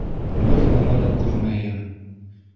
— Бер нәмәлә күрмәйем!